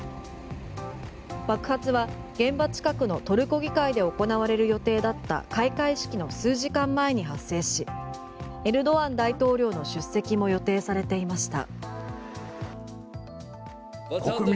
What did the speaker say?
爆発は現場近くのトルコ議会で行われる予定だった開会式の数時間前に発生しエルドアン大統領の出席も予定されていました。